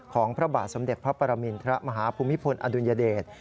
พระบาทสมเด็จพระปรมินทรมาฮภูมิพลอดุลยเดช